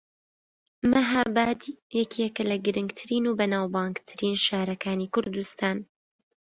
مەھاباد یەکێکە لە گرنگترین و بەناوبانگترین شارەکانی کوردستان